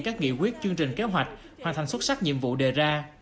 các nghị quyết chương trình kế hoạch hoàn thành xuất sắc nhiệm vụ đề ra